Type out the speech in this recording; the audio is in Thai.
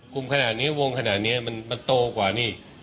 กลุ่มขนาดนี้วงขนาดนี้มันโตกว่านี่